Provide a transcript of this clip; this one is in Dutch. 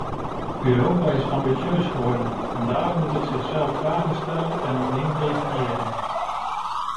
Europa is ambitieus geworden en daarom moet het zichzelf vragen stellen en opnieuw definiëren.